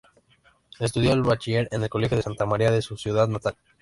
Estudió el bachiller en el Colegio de Santa María de su ciudad natal.